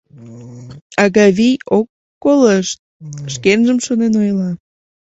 Агавий ок колышт, шкенжым шонен ойла: